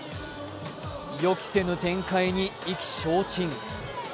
予期せぬ展開に意気消沈。